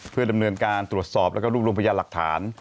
เพื่อดำเนินการตรวจสอบแล้วก็รูปรวมพยานหลักฐาน